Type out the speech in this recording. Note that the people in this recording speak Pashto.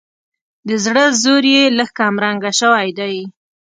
د زړه زور یې لږ کمرنګه شوی دی.